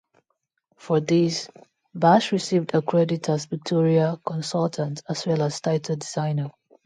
For this, Bass received a credit as Pictorial Consultant as well as Title Designer.